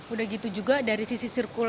udah gitu juga dari sisi sirkulasi